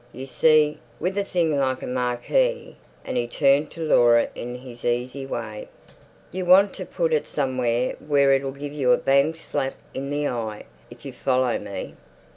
You see, with a thing like a marquee," and he turned to Laura in his easy way, "you want to put it somewhere where it'll give you a bang slap in the eye, if you follow me."